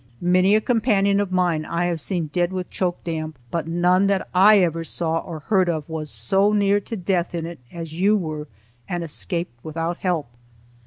Many a companion of mine have I seen dead with choke damp, but none that I ever saw or heard of was so near to death in it as you were and escaped without help."